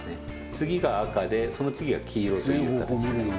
次が赤でその次が黄色という形になります